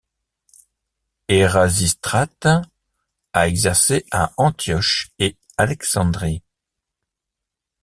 Érasistrate a exercé à Antioche et Alexandrie.